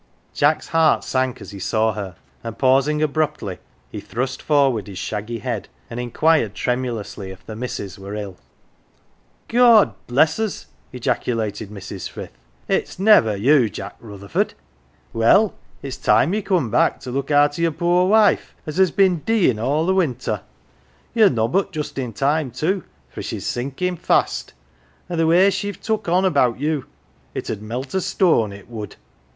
Jack's heart sank as he saw her; and pausing abruptly, he thrust forward his shaggy head and inquired tremulously if the missus were ill. " God bless us !" ejaculated Mrs. Frith. " It's never you, Jack Rutherford ! Well, it's time ye come back to look arter your poor wife, as has been deem' all th' winter ! Ye're nobbut just in time, too, for she's sinkin' fast. An' the way she've took on about you it 'ud melt a stone, it would.